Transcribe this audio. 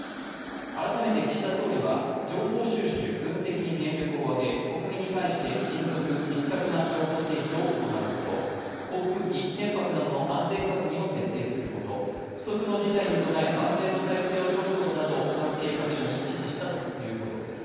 改めて岸田総理は情報収集、分析に全力を挙げ国民に対して迅速、適格な情報提供を行うこと、航空機、船舶などの安全確認を徹底すること不測の事態に備え、万全の態勢をとることなどを関係各所に指示したということです。